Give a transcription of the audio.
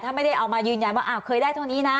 ถ้าไม่ได้เอามายืนยันว่าเคยได้เท่านี้นะ